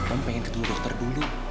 om pengen ketemu dokter dulu